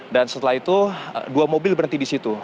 dan setelah itu dua mobil berhenti di situ